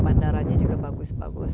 bandaranya juga bagus bagus